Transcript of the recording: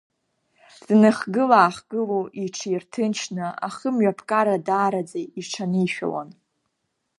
Дныхгыла-аахгыло, иҽырҭынчны ахымҩаԥгара даараӡа иҽанишәауан.